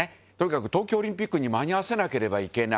箸砲東京オリンピックに間に合わせなければいけない